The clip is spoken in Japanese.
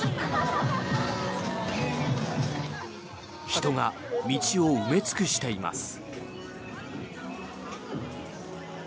人が道を埋め尽くしています。